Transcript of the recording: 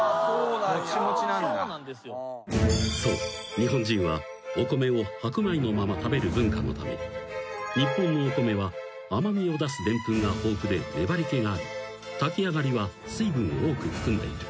日本人はお米を白米のまま食べる文化のため日本のお米は甘味を出すでんぷんが豊富で粘り気があり炊きあがりは水分を多く含んでいる］